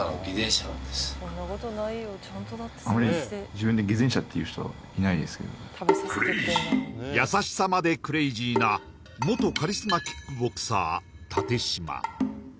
僕はもう優しさまでクレイジーな元カリスマキックボクサー立嶋